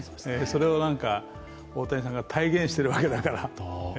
それを大谷さんが体現しているわけだから。